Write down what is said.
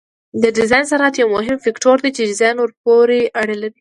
د ډیزاین سرعت یو مهم فکتور دی چې ډیزاین ورپورې اړه لري